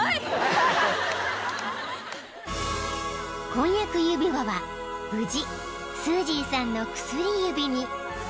［婚約指輪は無事スージーさんの薬指に］